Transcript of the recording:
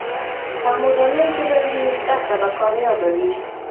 که مورنۍ ژبه وي، نو زده کړه به کامیابه وي.